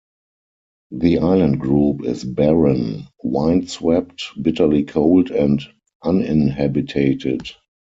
The island group is barren, windswept, bitterly cold, and uninhabited.